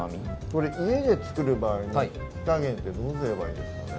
これ家で作る場合の火加減ってどうすればいいんですかね？